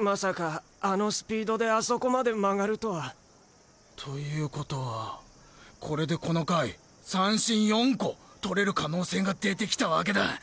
まさかあのスピードであそこまで曲がるとは。という事はこれでこの回三振４個取れる可能性が出てきたわけだ。